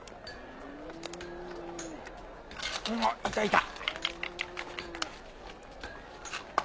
おっいたいた！